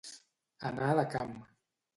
Anar de camp.